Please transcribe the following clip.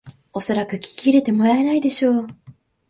おそらく聞き入れてもらえないでしょう